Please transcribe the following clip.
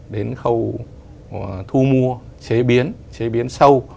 đến khâu thu mua chế biến chế biến sâu